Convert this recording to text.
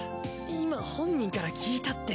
今本人から聞いたって。